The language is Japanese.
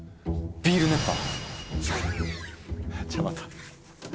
ビール熱波？